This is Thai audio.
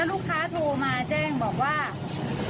ลูกค้าโทรมาแจ้งบอกว่า